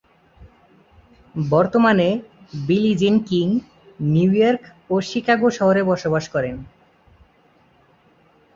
বর্তমানে Billie Jean King New York ও Chicago শহরে বসবাস করেন।